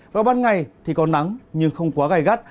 vào ban ngày thì có nắng nhưng không quá gai gắt